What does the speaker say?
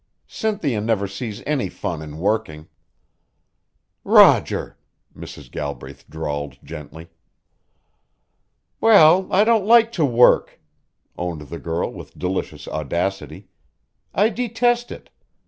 "Cynthia never sees any fun in working." "Roger!" Mrs. Galbraith drawled gently. "Well, I don't like to work," owned the girl with delicious audacity. "I detest it.